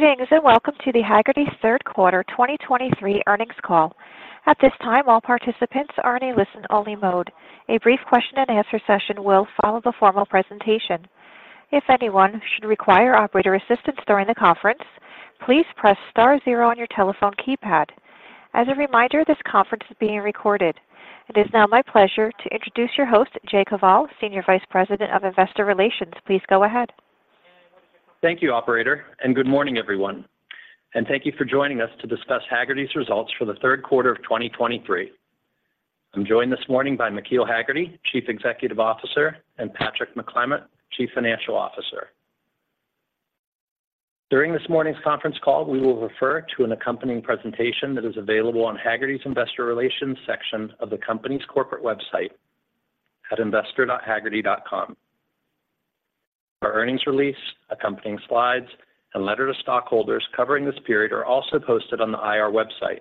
Greetings, and welcome to the Hagerty's Third Quarter 2023 Earnings Call. At this time, all participants are in a listen-only mode. A brief question-and-answer session will follow the formal presentation. If anyone should require operator assistance during the conference, please press star zero on your telephone keypad. As a reminder, this conference is being recorded. It is now my pleasure to introduce your host, Jay Koval, Senior Vice President of Investor Relations. Please go ahead. Thank you, operator, and good morning, everyone, and thank you for joining us to discuss Hagerty's results for the third quarter of 2023. I'm joined this morning by McKeel Hagerty, Chief Executive Officer, and Patrick McClymont, Chief Financial Officer. During this morning's conference call, we will refer to an accompanying presentation that is available on Hagerty's Investor Relations section of the company's corporate website at investor.hagerty.com. Our earnings release, accompanying slides, and letter to stockholders covering this period are also posted on the IR website.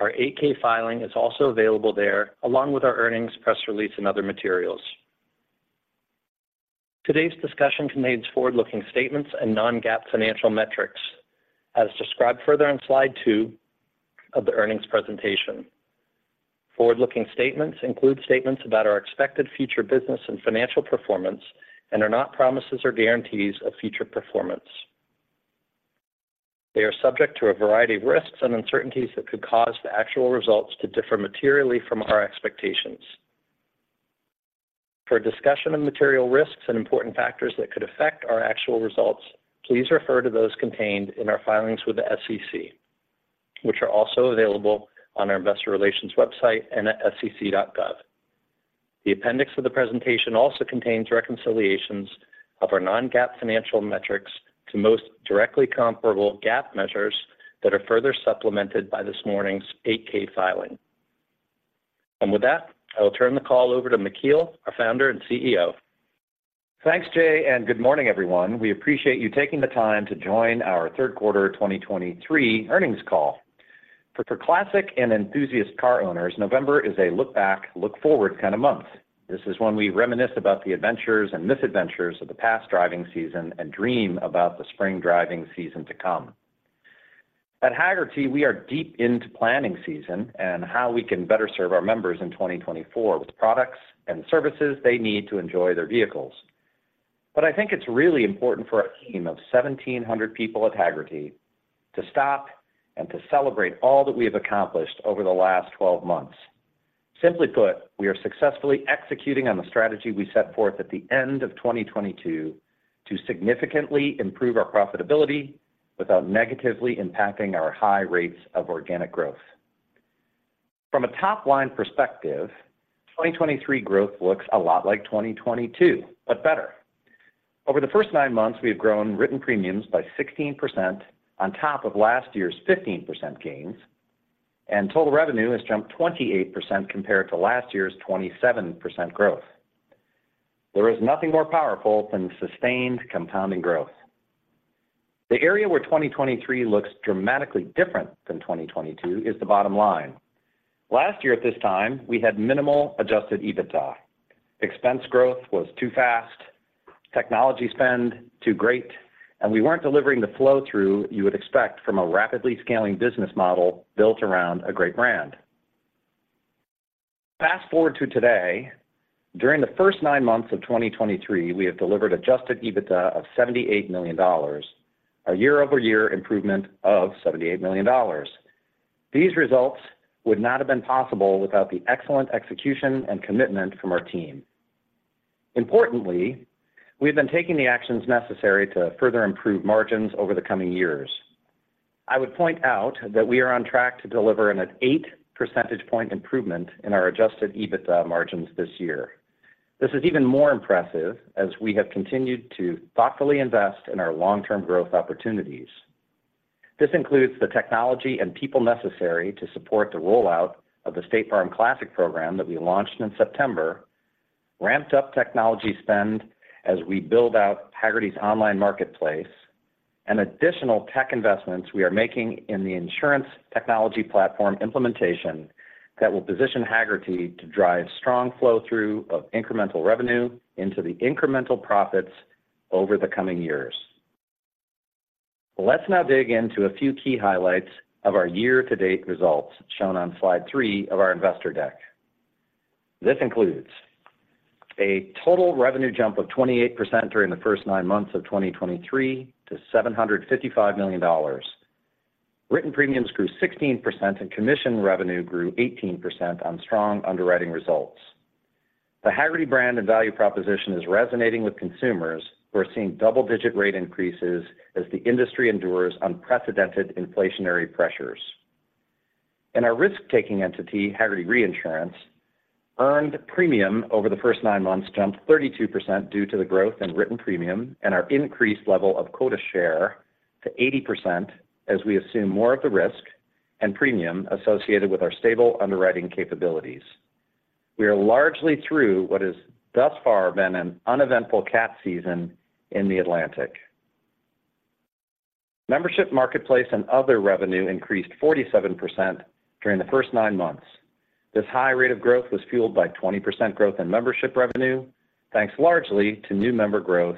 Our 8-K filing is also available there, along with our earnings press release, and other materials. Today's discussion contains forward-looking statements and non-GAAP financial metrics, as described further on Slide 2 of the earnings presentation. Forward-looking statements include statements about our expected future business and financial performance and are not promises or guarantees of future performance. They are subject to a variety of risks and uncertainties that could cause the actual results to differ materially from our expectations. For a discussion of material risks and important factors that could affect our actual results, please refer to those contained in our filings with the SEC, which are also available on our Investor Relations website and at sec.gov. The appendix of the presentation also contains reconciliations of our non-GAAP financial metrics to most directly comparable GAAP measures that are further supplemented by this morning's 8-K filing. With that, I will turn the call over to McKeel, our founder and CEO. Thanks, Jay, and good morning, everyone. We appreciate you taking the time to join our third quarter 2023 earnings call. For classic and enthusiast car owners, November is a look back, look forward kind of month. This is when we reminisce about the adventures and misadventures of the past driving season and dream about the spring driving season to come. At Hagerty, we are deep into planning season and how we can better serve our members in 2024 with products and services they need to enjoy their vehicles. But I think it's really important for our team of 1,700 people at Hagerty to stop and to celebrate all that we have accomplished over the last 12 months. Simply put, we are successfully executing on the strategy we set forth at the end of 2022 to significantly improve our profitability without negatively impacting our high rates of organic growth. From a top-line perspective, 2023 growth looks a lot like 2022, but better. Over the first nine months, we have grown written premiums by 16% on top of last year's 15% gains, and total revenue has jumped 28% compared to last year's 27% growth. There is nothing more powerful than sustained compounding growth. The area where 2023 looks dramatically different than 2022 is the bottom line. Last year at this time, we had minimal Adjusted EBITDA. Expense growth was too fast, technology spend too great, and we weren't delivering the flow-through you would expect from a rapidly scaling business model built around a great brand. Fast-forward to today, during the first nine months of 2023, we have delivered Adjusted EBITDA of $78 million, a year-over-year improvement of $78 million. These results would not have been possible without the excellent execution and commitment from our team. Importantly, we have been taking the actions necessary to further improve margins over the coming years. I would point out that we are on track to deliver an 8 percentage point improvement in our Adjusted EBITDA margins this year. This is even more impressive as we have continued to thoughtfully invest in our long-term growth opportunities. This includes the technology and people necessary to support the rollout of the State Farm Classic program that we launched in September, ramped up technology spend as we build out Hagerty's online marketplace, and additional tech investments we are making in the insurance technology platform implementation that will position Hagerty to drive strong flow-through of incremental revenue into the incremental profits over the coming years. Let's now dig into a few key highlights of our year-to-date results, shown on Slide 3 of our investor deck. This includes a total revenue jump of 28% during the first nine months of 2023 to $755 million. Written premiums grew 16%, and commission revenue grew 18% on strong underwriting results. The Hagerty brand and value proposition is resonating with consumers, who are seeing double-digit rate increases as the industry endures unprecedented inflationary pressures. In our risk-taking entity, Hagerty Reinsurance, earned premium over the first nine months jumped 32% due to the growth in written premium and our increased level of quota share to 80% as we assume more of the risk and premium associated with our stable underwriting capabilities. We are largely through what has thus far been an uneventful cat season in the Atlantic. Membership, marketplace, and other revenue increased 47% during the first nine months. This high rate of growth was fueled by 20% growth in membership revenue, thanks largely to new member growth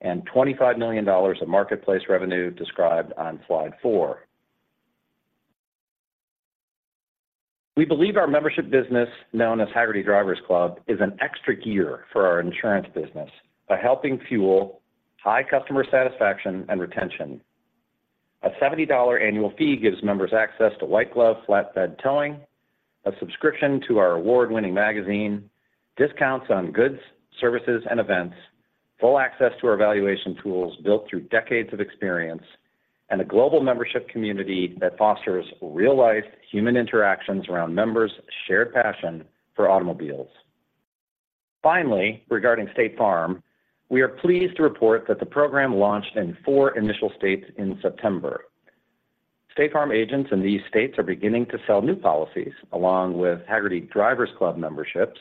and $25 million of marketplace revenue described on Slide 4. We believe our membership business, known as Hagerty Drivers Club, is an extra gear for our insurance business by helping fuel high customer satisfaction and retention. A $70 annual fee gives members access to white glove, flatbed towing, a subscription to our award-winning magazine, discounts on goods, services, and events, full access to our evaluation tools built through decades of experience, and a global membership community that fosters real-life human interactions around members' shared passion for automobiles. Finally, regarding State Farm, we are pleased to report that the program launched in four initial states in September. State Farm agents in these states are beginning to sell new policies, along with Hagerty Drivers Club memberships,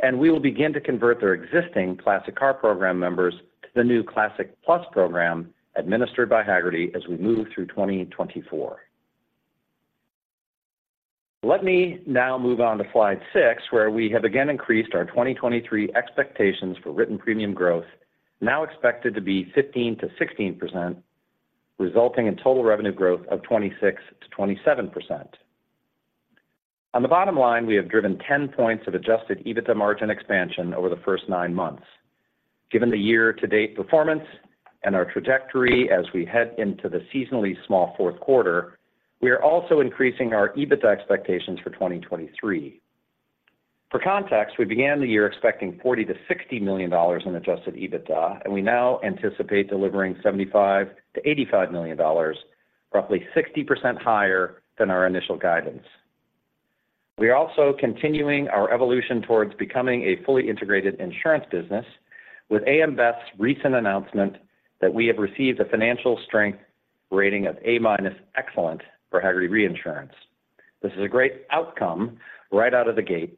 and we will begin to convert their existing Classic Car Program members to the new Classic Plus program, administered by Hagerty, as we move through 2024. Let me now move on to Slide 6, where we have again increased our 2023 expectations for written premium growth, now expected to be 15%-16%, resulting in total revenue growth of 26%-27%. On the bottom line, we have driven 10 points of adjusted EBITDA margin expansion over the first nine months. Given the year-to-date performance and our trajectory as we head into the seasonally small fourth quarter, we are also increasing our EBITDA expectations for 2023. For context, we began the year expecting $40 million-$60 million in adjusted EBITDA, and we now anticipate delivering $75 million-$85 million, roughly 60% higher than our initial guidance. We are also continuing our evolution towards becoming a fully integrated insurance business with AM Best's recent announcement that we have received a financial strength rating of A- (Excellent for Hagerty Reinsurance. This is a great outcome right out of the gate.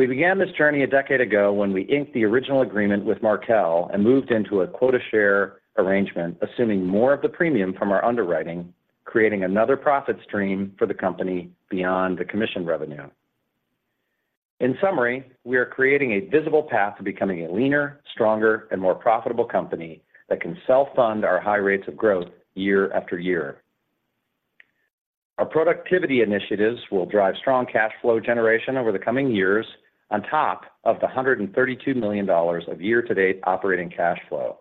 We began this journey a decade ago when we inked the original agreement with Markel and moved into a quota share arrangement, assuming more of the premium from our underwriting, creating another profit stream for the company beyond the commission revenue. In summary, we are creating a visible path to becoming a leaner, stronger, and more profitable company that can self-fund our high rates of growth year after year. Our productivity initiatives will drive strong cash flow generation over the coming years, on top of the $132 million of year-to-date operating cash flow.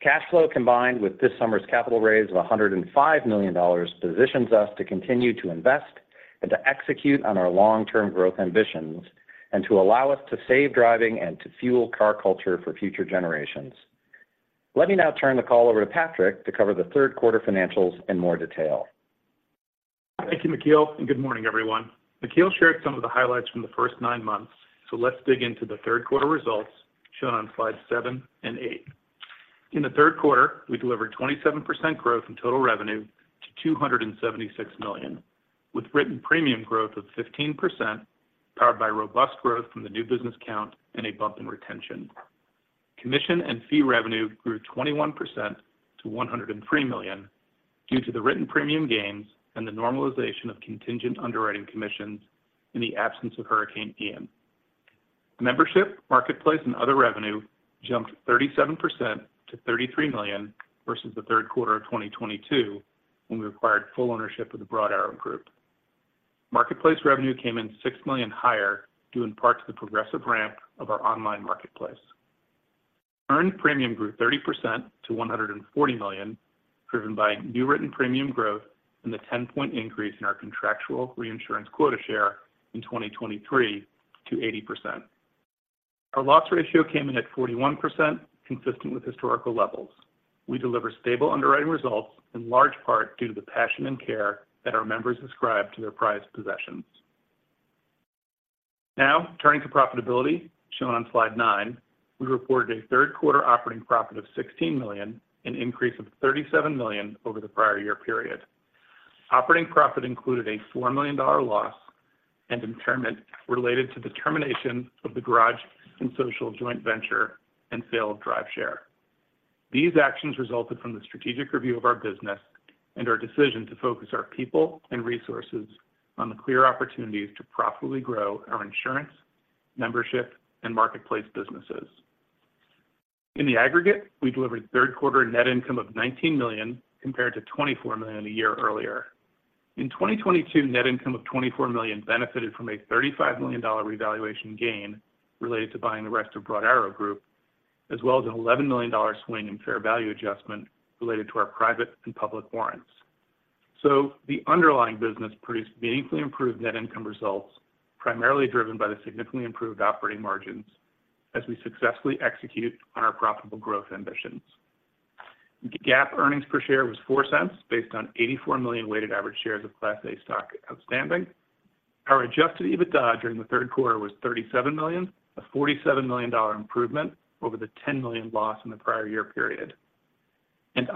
Cash flow, combined with this summer's capital raise of $105 million, positions us to continue to invest and to execute on our long-term growth ambitions, and to allow us to save driving and to fuel car culture for future generations. Let me now turn the call over to Patrick to cover the third quarter financials in more detail. Thank you, McKeel, and good morning, everyone. McKeel shared some of the highlights from the first nine months, so let's dig into the third quarter results shown on Slides 7 and 8. In the third quarter, we delivered 27% growth in total revenue to $276 million, with written premium growth of 15%, powered by robust growth from the new business count and a bump in retention. Commission and Fee revenue grew 21% to $103 million due to the written premium gains and the normalization of contingent underwriting commissions in the absence of Hurricane Ian. Membership, Marketplace, and other revenue jumped 37% to $33 million versus the third quarter of 2022, when we acquired full ownership of the Broad Arrow Group. Marketplace revenue came in $6 million higher, due in part to the progressive ramp of our online marketplace. Earned premium grew 30% to $140 million, driven by new written premium growth and the 10-point increase in our contractual reinsurance quota share in 2023 to 80%. Our loss ratio came in at 41%, consistent with historical levels. We deliver stable underwriting results, in large part due to the passion and care that our members ascribe to their prized possessions. Now, turning to profitability, shown on Slide 9, we reported a third quarter operating profit of $16 million, an increase of $37 million over the prior-year period. Operating profit included a $4 million loss and impairment related to the termination of the Garage + Social joint venture and sale of DriveShare. These actions resulted from the strategic review of our business and our decision to focus our people and resources on the clear opportunities to profitably grow our insurance, membership, and marketplace businesses. In the aggregate, we delivered third quarter net income of $19 million, compared to $24 million a year earlier. In 2022, net income of $24 million benefited from a $35 million revaluation gain related to buying the rest of Broad Arrow Group, as well as an $11 million swing in fair value adjustment related to our private and public warrants. So the underlying business produced meaningfully improved net income results, primarily driven by the significantly improved operating margins as we successfully execute on our profitable growth ambitions. GAAP earnings per share was $0.04, based on 84 million weighted average shares of Class A stock outstanding. Our Adjusted EBITDA during the third quarter was $37 million, a $47 million improvement over the $10 million loss in the prior-year period.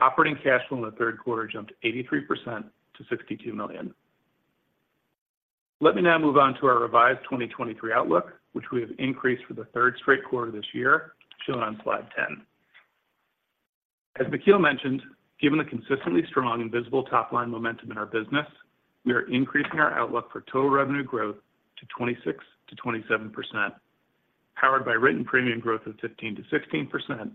Operating cash flow in the third quarter jumped 83% to $62 million. Let me now move on to our revised 2023 outlook, which we have increased for the third straight quarter this year, shown on Slide 10. As McKeel mentioned, given the consistently strong and visible top-line momentum in our business, we are increasing our outlook for total revenue growth to 26%-27%, powered by written premium growth of 15%-16%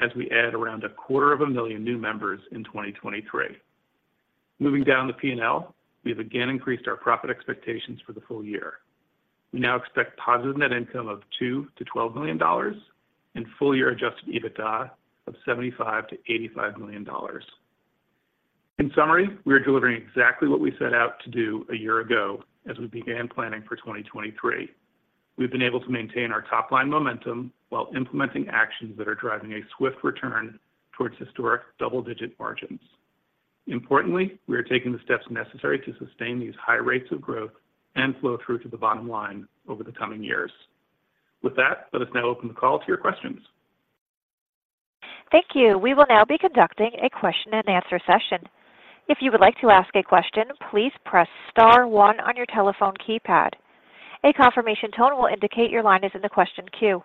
as we add around a quarter of a million new members in 2023. Moving down the P&L, we have again increased our profit expectations for the full year. We now expect positive net income of $2 million-$12 million and full-year Adjusted EBITDA of $75 million-$85 million. In summary, we are delivering exactly what we set out to do a year ago as we began planning for 2023. We've been able to maintain our top-line momentum while implementing actions that are driving a swift return towards historic double-digit margins. Importantly, we are taking the steps necessary to sustain these high rates of growth and flow through to the bottom line over the coming years. With that, let us now open the call to your questions. Thank you. We will now be conducting a question-and-answer session. If you would like to ask a question, please press star one on your telephone keypad. A confirmation tone will indicate your line is in the question queue.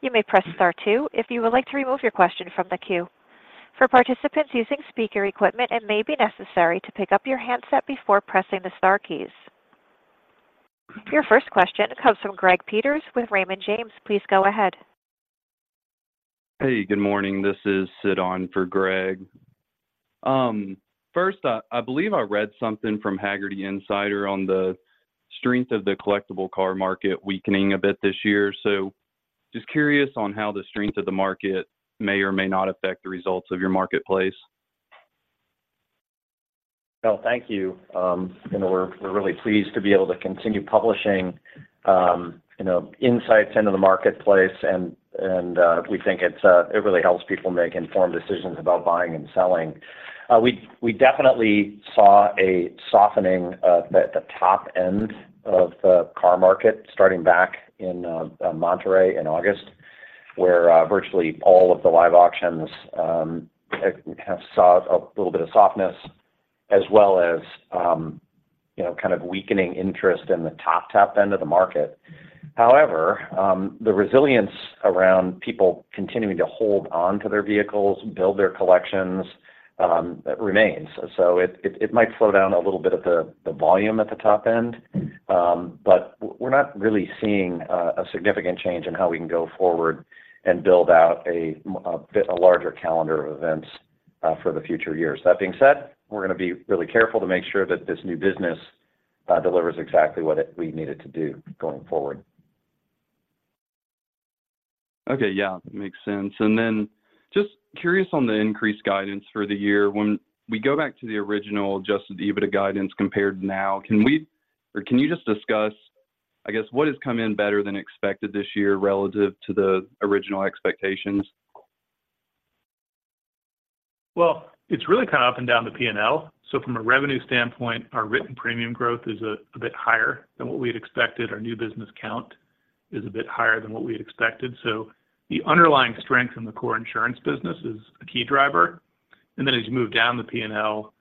You may press star two if you would like to remove your question from the queue. For participants using speaker equipment, it may be necessary to pick up your handset before pressing the star keys. Your first question comes from Greg Peters with Raymond James. Please go ahead. Hey, good morning. This is Sid on for Greg. First, I believe I read something from Hagerty Insider on the strength of the collectible car market weakening a bit this year. So just curious on how the strength of the market may or may not affect the results of your marketplace? Well, thank you. You know, we're, we're really pleased to be able to continue publishing, you know, insights into the marketplace, and, and, we think it's, it really helps people make informed decisions about buying and selling. We, we definitely saw a softening, at the top end of the car market starting back in, Monterey in August, where, virtually all of the live auctions, have saw a little bit of softness as well as, you know, kind of weakening interest in the top, top end of the market. However, the resilience around people continuing to hold on to their vehicles, build their collections, remains. So it might slow down a little bit of the volume at the top end, but we're not really seeing a significant change in how we can go forward and build out a bit larger calendar of events for the future years. That being said, we're going to be really careful to make sure that this new business delivers exactly what we need it to do going forward. Okay. Yeah, makes sense. And then just curious on the increased guidance for the year. When we go back to the original Adjusted EBITDA guidance compared now, can we or can you just discuss, I guess, what has come in better than expected this year relative to the original expectations? Well, it's really kind of up and down the P&L. So from a revenue standpoint, our written premium growth is a bit higher than what we had expected. Our new business count is a bit higher than what we had expected. So the underlying strength in the core insurance business is a key driver. And then as you move down the P&L,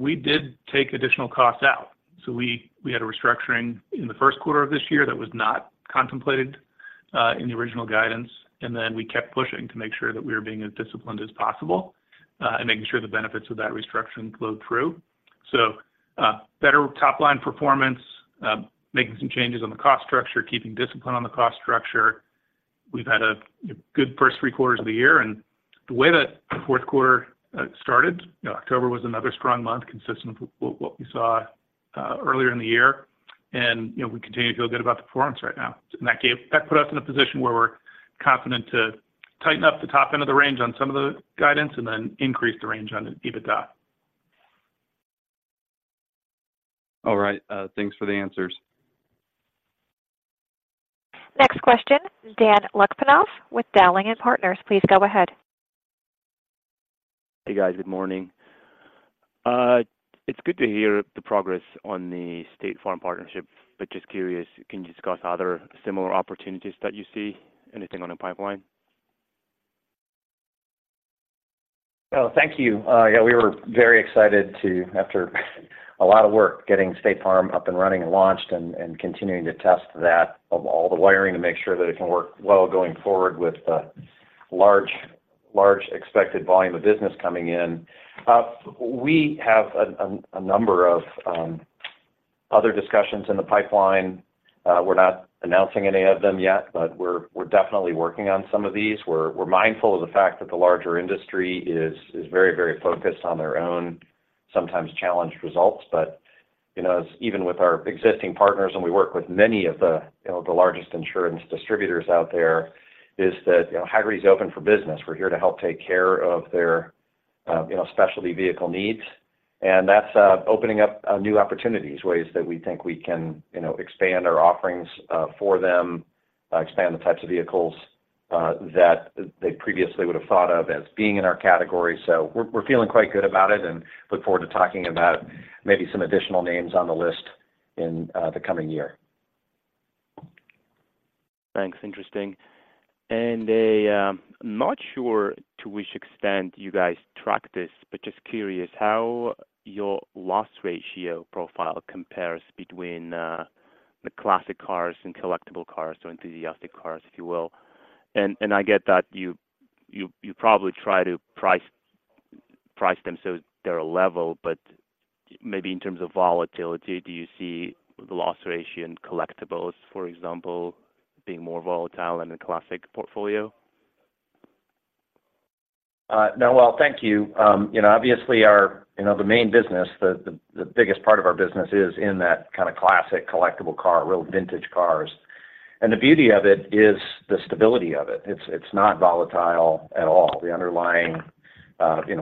we did take additional costs out. So we had a restructuring in the first quarter of this year that was not contemplated in the original guidance, and then we kept pushing to make sure that we were being as disciplined as possible, and making sure the benefits of that restructuring flowed through. So better top-line performance, making some changes on the cost structure, keeping discipline on the cost structure. We've had a good first three quarters of the year, and the way that the fourth quarter started, you know, October was another strong month, consistent with what we saw earlier in the year. And, you know, we continue to feel good about the performance right now. And that put us in a position where we're confident to tighten up the top end of the range on some of the guidance and then increase the range on the EBITDA. All right. Thanks for the answers. Next question, Dan Lukpanov with Dowling & Partners. Please go ahead. Hey, guys. Good morning. It's good to hear the progress on the State Farm partnership, but just curious, can you discuss other similar opportunities that you see? Anything on the pipeline? Well, thank you. Yeah, we were very excited to, after a lot of work, getting State Farm up and running and launched and continuing to test that of all the wiring to make sure that it can work well going forward with the large, large expected volume of business coming in. We have a number of other discussions in the pipeline. We're not announcing any of them yet, but we're definitely working on some of these. We're mindful of the fact that the larger industry is very focused on their own sometimes challenged results. But, you know, as even with our existing partners, and we work with many of the, you know, the largest insurance distributors out there, is that, you know, Hagerty is open for business. We're here to help take care of their, you know, specialty vehicle needs, and that's opening up new opportunities, ways that we think we can, you know, expand our offerings for them, expand the types of vehicles that they previously would have thought of as being in our category. So we're feeling quite good about it and look forward to talking about maybe some additional names on the list in the coming year. Thanks. Interesting. And, not sure to which extent you guys track this, but just curious how your loss ratio profile compares between the classic cars and collectible cars or enthusiastic cars, if you will. And, I get that you probably try to price them so they're a level, but maybe in terms of volatility, do you see the loss ratio in collectibles, for example, being more volatile in a classic portfolio? No, well, thank you. You know, obviously our, you know, the main business, the biggest part of our business is in that kind of classic collectible car, real vintage cars. And the beauty of it is the stability of it. It's not volatile at all. The underlying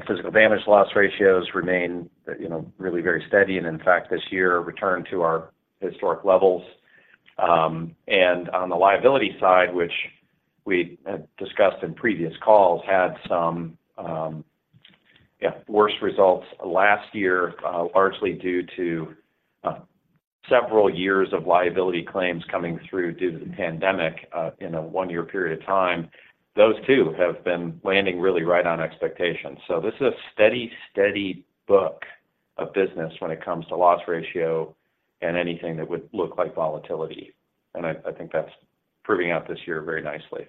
physical damage loss ratios remain, you know, really very steady, and in fact, this year, returned to our historic levels. And on the liability side, which we had discussed in previous calls, had some worse results last year, largely due to several years of liability claims coming through due to the pandemic in a one-year period of time. Those two have been landing really right on expectations. This is a steady, steady book of business when it comes to loss ratio and anything that would look like volatility, and I, I think that's proving out this year very nicely.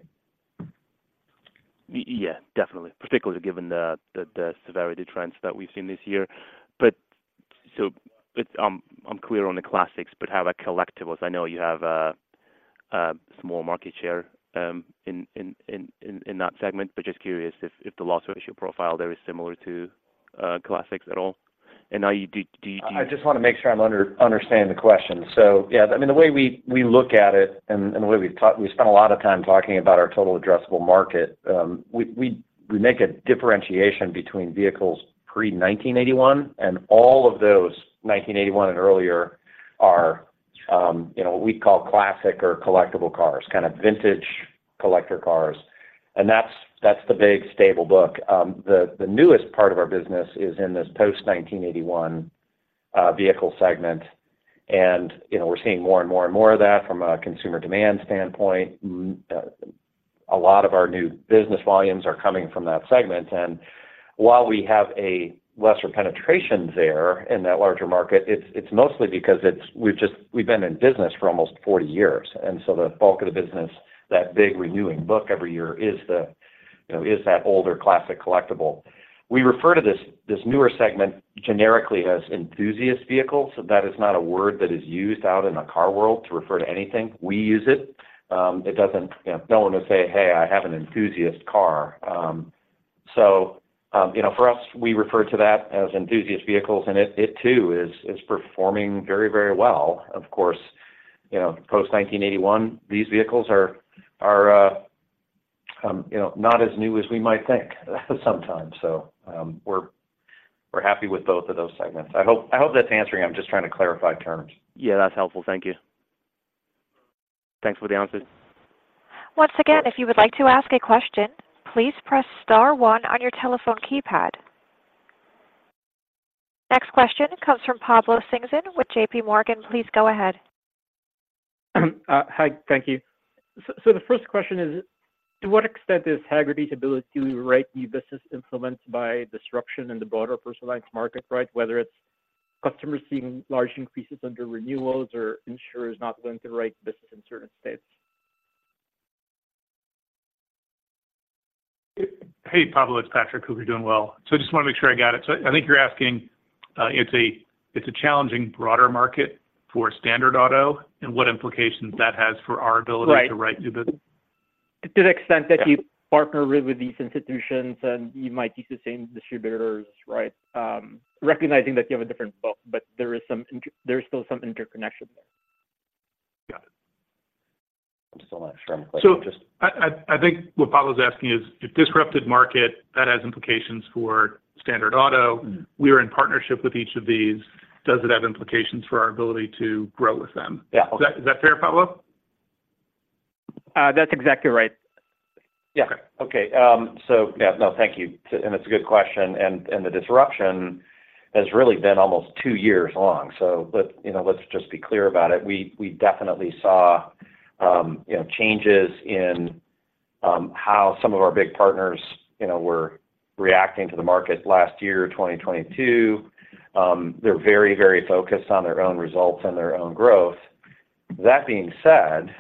Yeah, definitely. Particularly given the severity trends that we've seen this year. But I'm clear on the classics, but how about collectibles? I know you have a small market share in that segment, but just curious if the loss ratio profile there is similar to classics at all? And are you-- do you- I just want to make sure I'm understanding the question. So yeah, I mean, the way we look at it and the way we've talked. We've spent a lot of time talking about our total addressable market. We make a differentiation between vehicles pre-1981, and all of those, 1981 and earlier are, you know, what we call classic or collectible cars, kind of vintage collector cars, and that's the big stable book. The newest part of our business is in this post-1981 vehicle segment, and, you know, we're seeing more and more and more of that from a consumer demand standpoint. A lot of our new business volumes are coming from that segment. While we have a lesser penetration there in that larger market, it's mostly because we've been in business for almost 40 years, and so the bulk of the business, that big renewing book every year, is, you know, that older classic collectible. We refer to this newer segment generically as enthusiast vehicles. So that is not a word that is used out in the car world to refer to anything. We use it. It doesn't, you know, no one would say, "Hey, I have an enthusiast car." So, you know, for us, we refer to that as enthusiast vehicles, and it too is performing very, very well. Of course, you know, post-1981, these vehicles are, you know, not as new as we might think, sometimes. So, we're happy with both of those segments. I hope that's answering. I'm just trying to clarify terms. Yeah, that's helpful. Thank you. Thanks for the answer. Once again, if you would like to ask a question, please press star one on your telephone keypad. Next question comes from Pablo Singzon with JPMorgan. Please go ahead. Hi, thank you. So, so the first question is, to what extent is Hagerty's ability to write new business influenced by disruption in the broader personal lines market, right? Whether it's customers seeing large increases under renewals or insurers not willing to write business in certain states. Hey, Pablo, it's Patrick. Hope you're doing well. So I just want to make sure I got it. So I think you're asking, it's a challenging broader market for standard auto and what implications that has for our ability to write new business. Right. To the extent that you partner with these institutions, and you might use the same distributors, right? Recognizing that you have a different book, but there is still some interconnection there. Got it. I just want to make sure I'm clear. So I think what Pablo's asking is a disrupted market that has implications for standard auto. We are in partnership with each of these. Does it have implications for our ability to grow with them? Yeah. Is that, is that fair, Pablo? That's exactly right. Yeah. Okay. Okay, so-- Yeah, no, thank you. And it's a good question, and the disruption has really been almost two years long. So let's, you know, let's just be clear about it. We definitely saw, you know, changes in how some of our big partners, you know, were reacting to the market last year, 2022. They're very, very focused on their own results and their own growth. That being said,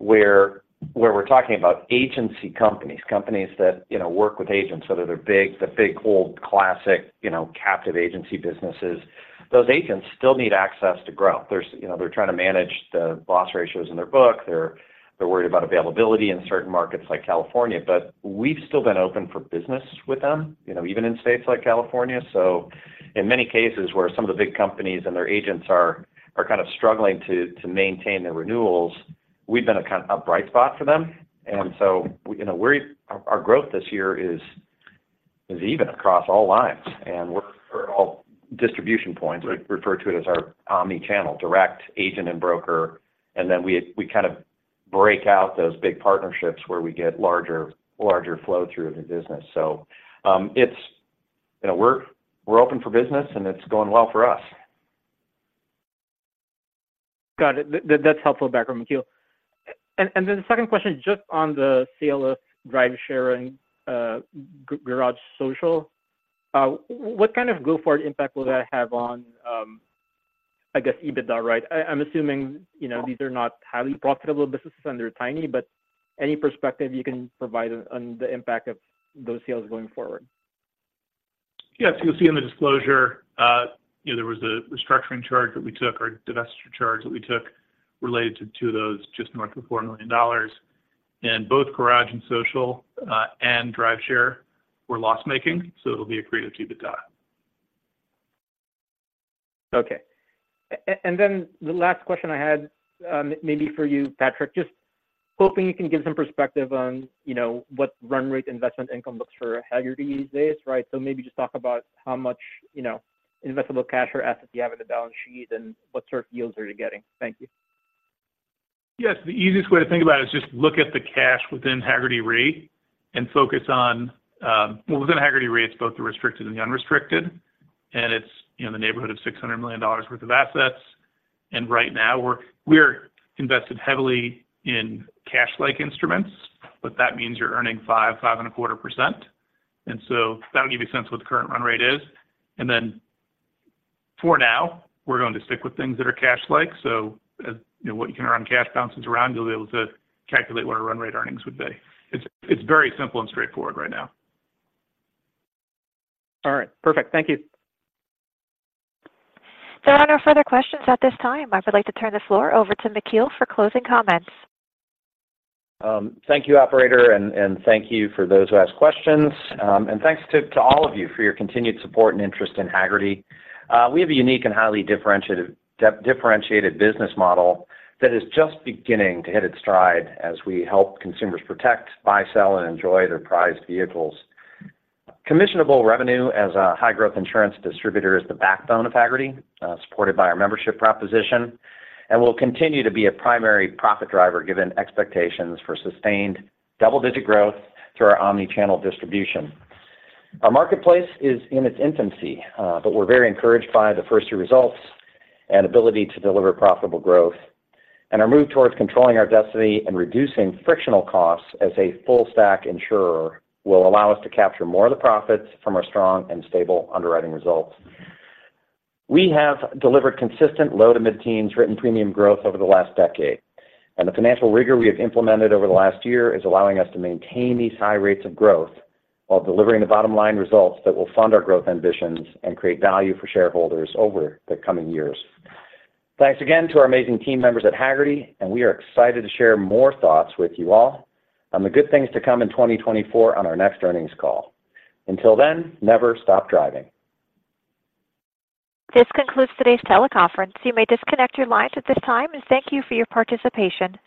where we're talking about agency companies, companies that, you know, work with agents, whether they're big, the big, old, classic, you know, captive agency businesses, those agents still need access to grow. There's, you know, they're trying to manage the loss ratios in their book. They're worried about availability in certain markets like California, but we've still been open for business with them, you know, even in states like California. So in many cases, where some of the big companies and their agents are kind of struggling to maintain their renewals, we've been a kind of a bright spot for them. And so, you know, we're, our growth this year is even across all lines, and we're all distribution points. Right. We refer to it as our omni-channel, direct agent and broker, and then we kind of break out those big partnerships where we get larger flow through the business. So, it's, you know, we're open for business, and it's going well for us. Got it. That's helpful background, McKeel. And then the second question, just on the sale of DriveShare, Hagerty Garage + Social, what kind of go-forward impact will that have on, I guess, EBITDA, right? I'm assuming, you know, these are not highly profitable businesses, and they're tiny, but any perspective you can provide on, on the impact of those sales going forward? Yes, you'll see in the disclosure, you know, there was a structuring charge that we took, or a divestiture charge that we took related to two of those, just north of $4 million. And both Garage + Social and DriveShare were loss-making, so it'll be accretive to EBITDA. Okay. And then the last question I had, maybe for you, Patrick, just hoping you can give some perspective on, you know, what run rate investment income looks for Hagerty these days, right? So maybe just talk about how much, you know, investable cash or assets you have on the balance sheet, and what sort of yields are you getting. Thank you. Yes. The easiest way to think about it is just look at the cash within Hagerty Re and focus on. Well, within Hagerty Re, it's both the restricted and the unrestricted, and it's, you know, in the neighborhood of $600 million worth of assets. And right now, we're, we're invested heavily in cash-like instruments, but that means you're earning 5%-5.25%. And so that'll give you a sense of what the current run rate is. And then, for now, we're going to stick with things that are cash-like, so, you know, what you can run cash balances around, you'll be able to calculate what our run rate earnings would be. It's, it's very simple and straightforward right now. All right. Perfect. Thank you. There are no further questions at this time. I would like to turn the floor over to McKeel for closing comments. Thank you, operator, and thank you for those who asked questions. Thanks to all of you for your continued support and interest in Hagerty. We have a unique and highly differentiated business model that is just beginning to hit its stride as we help consumers protect, buy, sell, and enjoy their prized vehicles. Commissionable revenue as a high-growth insurance distributor is the backbone of Hagerty, supported by our membership proposition, and will continue to be a primary profit driver, given expectations for sustained double-digit growth through our omni-channel distribution. Our marketplace is in its infancy, but we're very encouraged by the first year results and ability to deliver profitable growth. Our move towards controlling our destiny and reducing frictional costs as a full stack insurer will allow us to capture more of the profits from our strong and stable underwriting results. We have delivered consistent low- to mid-teens written premium growth over the last decade, and the financial rigor we have implemented over the last year is allowing us to maintain these high rates of growth while delivering the bottom line results that will fund our growth ambitions and create value for shareholders over the coming years. Thanks again to our amazing team members at Hagerty, and we are excited to share more thoughts with you all on the good things to come in 2024 on our next earnings call. Until then, never stop driving. This concludes today's teleconference. You may disconnect your lines at this time, and thank you for your participation.